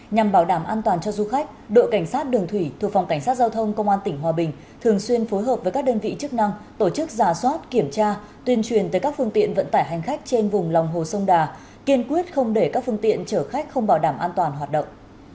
nhằm bảo đảm an toàn cho du khách đội cảnh sát đường thủy thuộc phòng cảnh sát giao thông công an tỉnh hòa bình thường xuyên phối hợp với các đơn vị chức năng tổ chức giả soát kiểm tra tuyên truyền tới các phương tiện vận tải hành khách trên vùng lòng hồ sông đà kiên quyết không để các phương tiện chở khách không bảo đảm an toàn hoạt động